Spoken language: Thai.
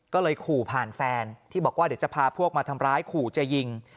ก็เลยขู่ผ่านแฟนที่บอกว่าเดี๋ยวจะพาพวกมาทำร้ายขู่จะยิง